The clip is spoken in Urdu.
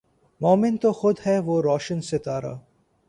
مومن تو خود ھے وہ روشن ستارا